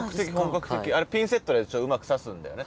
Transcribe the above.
あれピンセットでうまく刺すんだよね